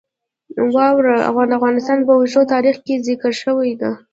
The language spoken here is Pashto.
واوره د افغانستان په اوږده تاریخ کې ذکر شوې ده.